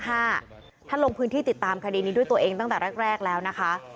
ท่านลงพื้นที่ติดตามคดีนี้ด้วยตัวเองตั้งแต่แรกแล้วนะคะ